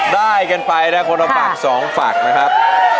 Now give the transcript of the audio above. ได้กันไปนะครับคนเอาฝากสองฝากนะครับ